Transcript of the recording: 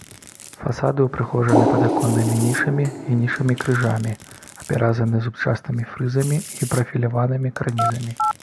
Фасады ўпрыгожаны падаконнымі нішамі і нішамі-крыжамі, апяразаны зубчастымі фрызамі і прафіляванымі карнізамі.